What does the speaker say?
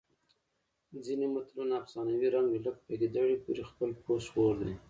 ځینې متلونه افسانوي رنګ لري لکه په ګیدړې پورې خپل پوست اور دی